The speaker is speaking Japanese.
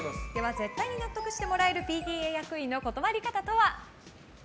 絶対に納得してもらえるＰＴＡ役員の断り方とは？